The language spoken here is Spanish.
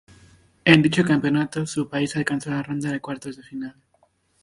En dicho campeonato su país alcanzó la ronda de cuartos de final.